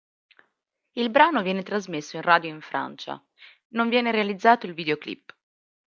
Il brano viene trasmesso in radio in Francia; non viene realizzato il videoclip.